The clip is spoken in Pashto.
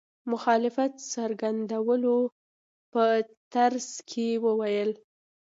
مخالفت څرګندولو په ترڅ کې ولیکل.